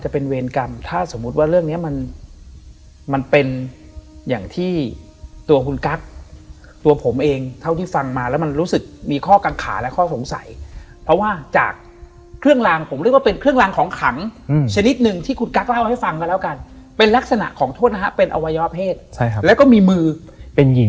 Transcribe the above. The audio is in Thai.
เป็นเวรกรรมถ้าสมมุติว่าเรื่องเนี้ยมันมันเป็นอย่างที่ตัวคุณกั๊กตัวผมเองเท่าที่ฟังมาแล้วมันรู้สึกมีข้อกังขาและข้อสงสัยเพราะว่าจากเครื่องรางผมเรียกว่าเป็นเครื่องรางของขังชนิดหนึ่งที่คุณกั๊กเล่าให้ฟังกันแล้วกันเป็นลักษณะของโทษนะฮะเป็นอวัยวะเพศใช่ครับแล้วก็มีมือเป็นหญิง